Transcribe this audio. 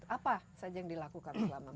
apa saja yang dilakukan selama ini